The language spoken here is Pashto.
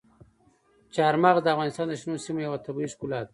چار مغز د افغانستان د شنو سیمو یوه طبیعي ښکلا ده.